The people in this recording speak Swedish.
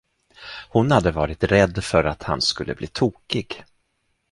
Hon hade varit rädd för att han skulle bli tokig.